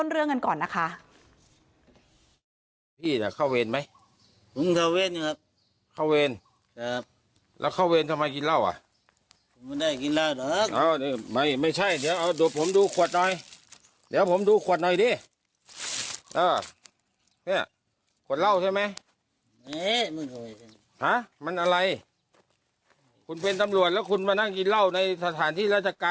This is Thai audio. เออได้